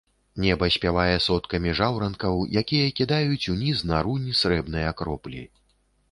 Неба спявае соткамі жаўранкаў, якія кідаюць уніз, на рунь, срэбныя кроплі.